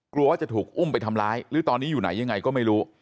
กลัวว่าจะถูกอุ้มไปทำร้ายหรือตอนนี้อยู่ไหนยังไงก็ไม่รู้